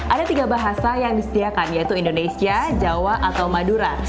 ada tiga bahasa yang disediakan yaitu indonesia jawa atau madura